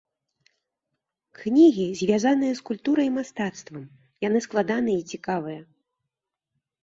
Кнігі, звязаныя з культурай і мастацтвам, яны складаныя і цікавыя.